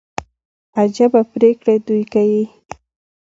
عجبه پرېکړي دوى کيي.